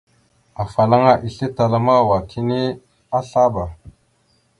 Afalaŋa islétala ma wa kini azlaba.